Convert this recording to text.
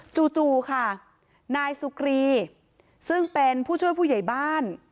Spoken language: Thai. จู่ค่ะนายสุกรีซึ่งเป็นผู้ช่วยผู้ใหญ่บ้าน